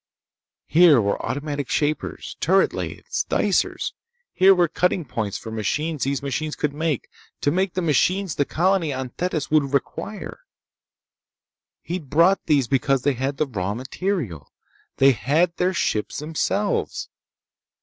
Here were automatic shapers, turret lathes, dicers. Here were cutting points for machines these machines could make, to make the machines the colony on Thetis would require. He'd brought these because they had the raw material. They had their ships themselves!